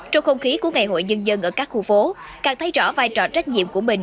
trong không khí của ngày hội nhân dân ở các khu phố càng thấy rõ vai trò trách nhiệm của mình